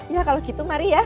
ya kalau gitu mari ya